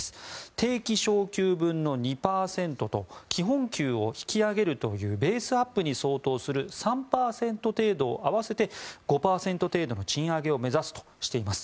定期昇給分の２％と基本給を引き上げるというベースアップに相当する３％程度を合わせて５％程度の賃上げを目指すとしています。